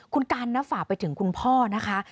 คุณกันนะฝากไปถึงคุณพ่อนะคะ